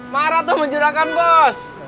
marah tuh sama juragan bos